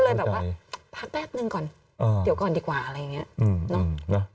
เลยแบบว่าพักแป๊บนึงก่อนเดี๋ยวก่อนดีกว่าอะไรอย่างนี้เนอะ